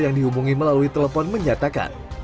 yang dihubungi melalui telepon menyatakan